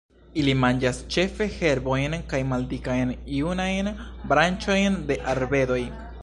Ili manĝas ĉefe herbojn kaj maldikajn junajn branĉojn de arbedoj.